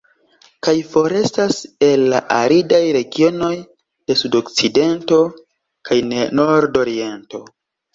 Kaj forestas el la aridaj regionoj de Sudokcidento kaj de Nordoriento.